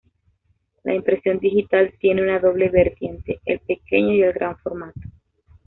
La impresión digital tiene una doble vertiente: el pequeño y el gran formato.